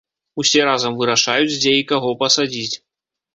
Усе разам вырашаюць дзе і каго пасадзіць.